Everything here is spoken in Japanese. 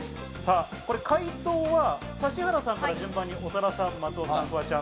解答は指原さんから順番に長田さん、松尾さん、フワちゃん。